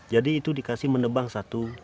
jadi itu diberikan menebang satu